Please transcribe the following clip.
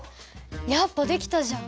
やっぱ出来たじゃん。